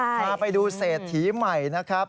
พาไปดูเศรษฐีใหม่นะครับ